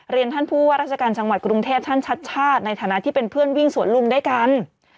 ท่านผู้ว่าราชการจังหวัดกรุงเทพท่านชัดชาติในฐานะที่เป็นเพื่อนวิ่งสวนลุงด้วยกัน